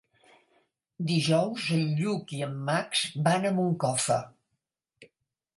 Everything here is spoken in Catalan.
Dijous en Lluc i en Max van a Moncofa.